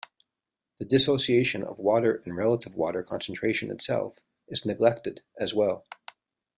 The dissociation of water and relative water concentration itself is neglected as well.